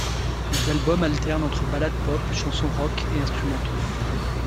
Les albums alternent entre ballades pop, chansons rock et instrumentaux.